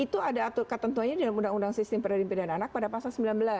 itu ada atur ketentuanya dalam undang undang sistem perdana pindahan anak pada pasal sembilan belas